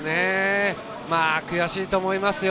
悔しいと思いますよ。